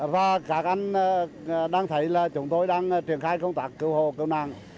và các anh đang thấy là chúng tôi đang truyền khai công tác cứu hồ cứu nàng